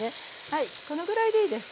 はいこのぐらいでいいです。